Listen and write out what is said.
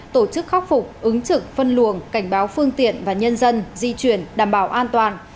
tổ chức khắc phục ứng trực phân luồng cảnh báo phương tiện và nhân dân di chuyển đảm bảo an toàn